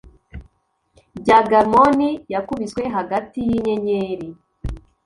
bya garmoni yakubiswe hagati yinyenyeri